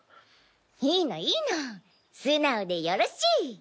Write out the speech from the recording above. いいのいいの素直でよろしい！